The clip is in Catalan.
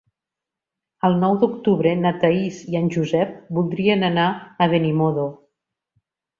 El nou d'octubre na Thaís i en Josep voldrien anar a Benimodo.